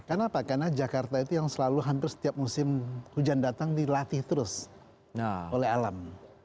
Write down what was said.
kenapa karena jakarta itu yang selalu hampir setiap musim hujan datang dilatih terus oleh alam